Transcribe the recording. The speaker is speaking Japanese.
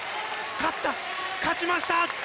勝った、勝ちました！